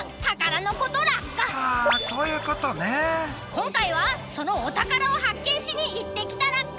今回はそのお宝を発見しに行ってきたラッカ。